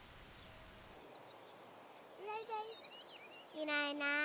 いないいない。